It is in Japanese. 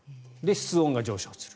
室温が上昇する。